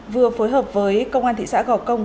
vừa phối hợp với công an thị xã gò công